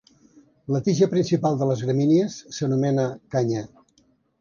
La tija principal de les gramínies s'anomena canya.